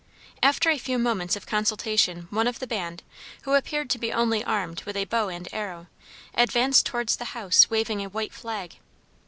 After a few moments of consultation one of the band, who appeared to be only armed with a bow and arrow, advanced towards the house waving a white flag.